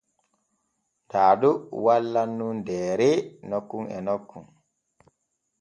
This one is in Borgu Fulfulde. Daado wallan nun deere nokkun e nokkun.